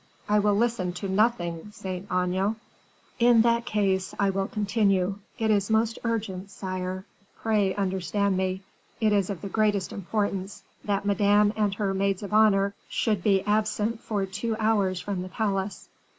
"I will listen to nothing, Saint Aignan." "In that case, I will continue; it is most urgent, sire pray understand me, it is of the greatest importance that Madame and her maids of honor should be absent for two hours from the palace."